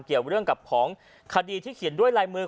เกี่ยวกับเรื่องกับของคดีที่เขียนด้วยลายมือ